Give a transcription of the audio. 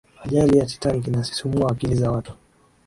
ajali ya titanic inasisimua akili za watu